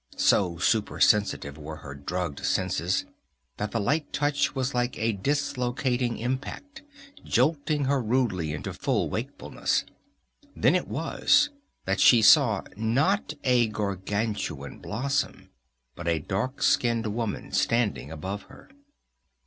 So supersensitive were her drugged senses, that the light touch was like a dislocating impact, jolting her rudely into full wakefulness. Then it was that she saw, not a gargantuan blossom, but a dark skinned woman standing above her.